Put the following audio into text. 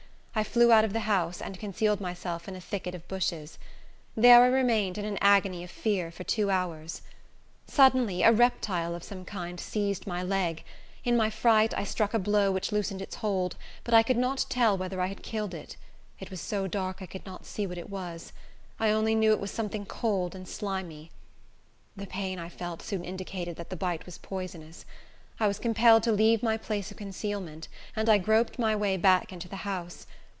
I flew out of the house, and concealed myself in a thicket of bushes. There I remained in an agony of fear for two hours. Suddenly, a reptile of some kind seized my leg. In my fright, I struck a blow which loosened its hold, but I could not tell whether I had killed it; it was so dark, I could not see what it was; I only knew it was something cold and slimy. The pain I felt soon indicated that the bite was poisonous. I was compelled to leave my place of concealment, and I groped my way back into the house.